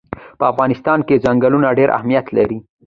په افغانستان کې ځنګلونه ډېر اهمیت لري.